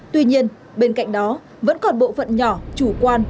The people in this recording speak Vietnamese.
tuy nhiên bên cạnh đó vẫn còn bộ phận nhỏ chủ quan